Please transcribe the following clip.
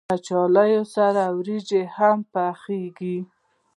کچالو سره وريجې هم پخېږي